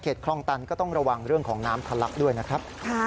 คลองตันก็ต้องระวังเรื่องของน้ำทะลักด้วยนะครับ